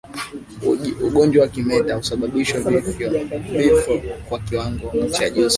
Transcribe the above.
Ugonjwa wa kimeta husababisha vifo kwa kiwango cha juu sana